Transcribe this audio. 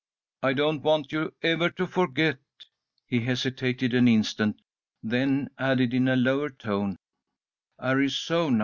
"I don't want you ever to forget " he hesitated an instant, then added in a lower tone, "Arizona."